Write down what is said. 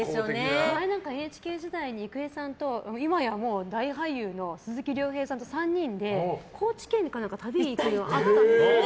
前、何かＮＨＫ時代に郁恵さんと今や大俳優の鈴木亮平さんと３人で高知県か何か旅に行くのがあったんですよ。